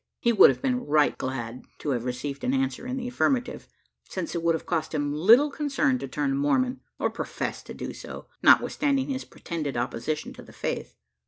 He would have been right glad to have received an answer in the affirmative since it would have cost him little concern to turn Mormon, or profess to do so, notwithstanding his pretended opposition to the faith.